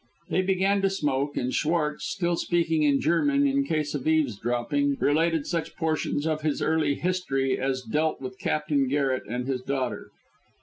They began to smoke, and Schwartz, still speaking in German in case of eavesdropping, related such portions of his early history as dealt with Captain Garret and his daughter.